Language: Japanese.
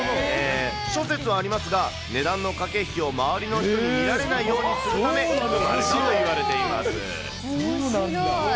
諸説ありますが、値段の駆け引きを周りの人に見られないようにするため生まれたといわれています。